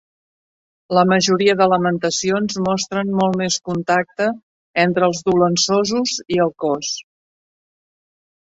La majoria de "Lamentacions" mostren molt més contacte entre els dolençosos i el cos.